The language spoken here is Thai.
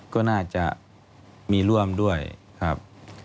ก็น่าจะมีร่วมด้วยครับ